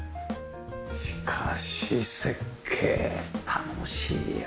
しかし設計楽しいよね。